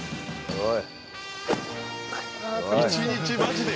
おい。